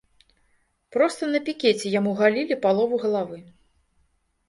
Проста на пікеце яму галілі палову галавы.